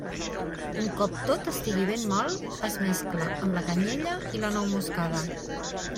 Un cop tot estigui ben mòlt, es mescla amb la canyella i la nou moscada.